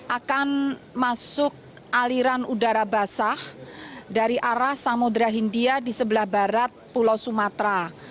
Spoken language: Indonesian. akan masuk aliran udara basah dari arah samudera hindia di sebelah barat pulau sumatera